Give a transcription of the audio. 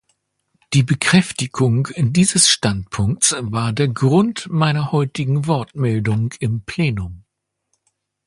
Die Bekräftigung dieses Standpunkts war der Grund meiner heutigen Wortmeldung im Plenum.